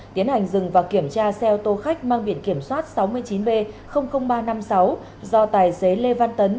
tiến hành dừng và kiểm tra xe ô tô khách mang biển kiểm soát sáu mươi chín b ba trăm năm mươi sáu do tài xế lê văn tấn